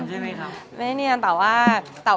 คือไม่เนียนนใช่ไหมครับ